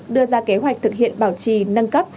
đưa ra kế hoạch thực hiện bảo trì nâng cấp